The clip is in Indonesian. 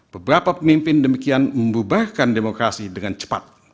beberapa pemimpin demikian membubarkan demokrasi dengan cepat